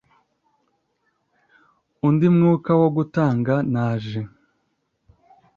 Undi mwuka wo gutanga naje